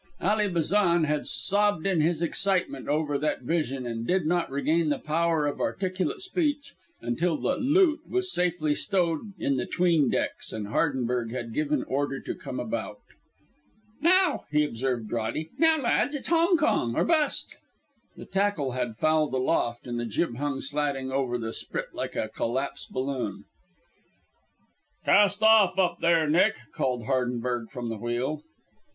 Ally Bazan had sobbed in his excitement over that vision and did not regain the power of articulate speech till the "loot" was safely stowed in the 'tween decks and Hardenberg had given order to come about. "Now," he had observed dryly, "now, lads, it's Hongkong or bust." The tackle had fouled aloft and the jib hung slatting over the sprit like a collapsed balloon. "Cast off up there, Nick!" called Hardenberg from the wheel.